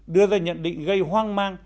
đưa ra nhận định gây hoang mang